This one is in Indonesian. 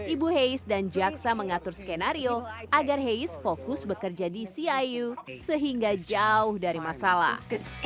ibu hayes dan jaksa mengatur skenario agar heis fokus bekerja di ciu sehingga jauh dari masalah